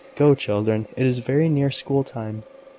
"Go, children, it is very near school time."